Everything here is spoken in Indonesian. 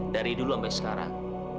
dari dulu sampe sekarang